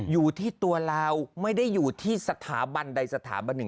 อยู่ที่ตัวเราไม่ได้อยู่ที่สถาบันใดสถาบันหนึ่ง